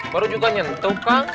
baru juga nyentuh kang